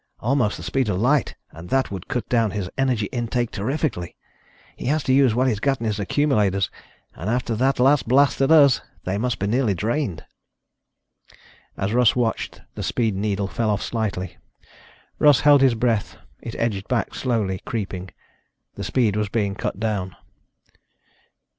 Almost the speed of light and that would cut down his energy intake terrifically. He has to use what he's got in his accumulators, and after that last blast at us, they must be nearly drained." As Russ watched, the speed needle fell off slightly. Russ held his breath. It edged back slowly, creeping. The speed was being cut down.